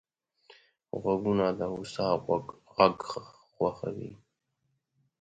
غوږونه د هوسا غږ خوښوي